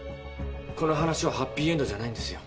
この話はハッピーエンドじゃないんですよ。